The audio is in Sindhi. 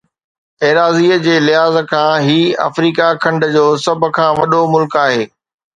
ايراضيءَ جي لحاظ کان هي آفريڪا کنڊ جو سڀ کان وڏو ملڪ آهي